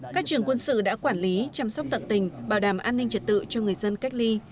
các trường quân sự đã quản lý chăm sóc tận tình bảo đảm an ninh trật tự cho người dân cách ly